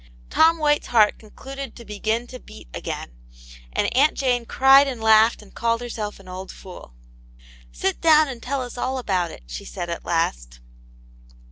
Tom White's heart concluded to begin to beat again, and Aunt Jane cried and laughed and called herself an old fool. " Sit down and tell us all about it," she said at last.